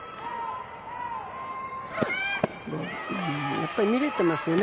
やっぱり見れてますよね。